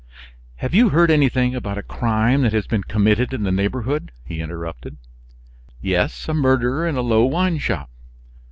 "Have you heard anything about a crime that has been committed in the neighborhood?" he interrupted. "Yes; a murder in a low wine shop."